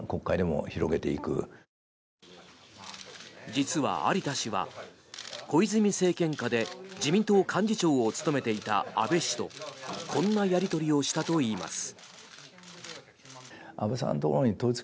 実は有田氏は小泉政権下で自民党幹事長を務めていた安倍氏とこんなやり取りをしたといいます。